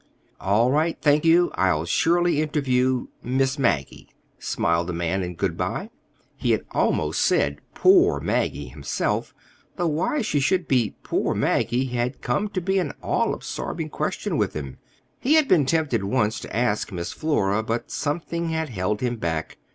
"All right, thank you; I'll surely interview—Miss Maggie," smiled the man in good bye. He had almost said "poor" Maggie himself, though why she should be poor Maggie had come to be an all absorbing question with him. He had been tempted once to ask Miss Flora, but something had held him back.